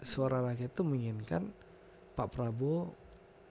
suara rakyat itu menginginkan pak prabowo